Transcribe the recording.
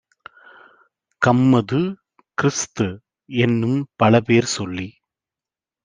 கம்மது, கிறிஸ்து-எனும் பலபேர் சொல்லிச்